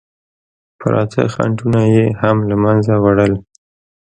پراته خنډونه یې هم له منځه وړل.